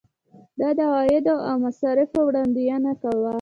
دا د عوایدو او مصارفو وړاندوینه وه.